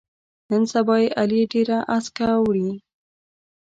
نن سبا یې علي ډېره اسکه وړوي.